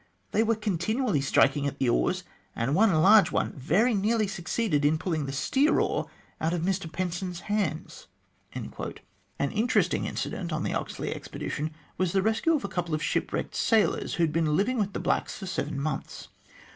They were continually striking at the oars, and one large one very nearly suc ceeded in pulling the steer oar out of Mr Penson's hands." An interesting incident of the Oxley Expedition was the rescue of a couple of shipwrecked sailors who had been living with the blacks for seven months.